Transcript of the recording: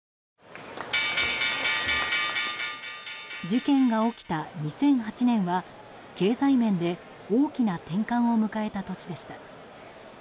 事件が起きた２００８年は経済面で大きな転換を迎えた年でした。